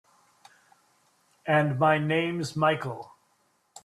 And my name's Michael.